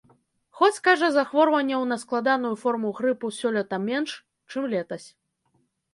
Хоць, кажа, захворванняў на складаную форму грыпу сёлета менш, чым летась.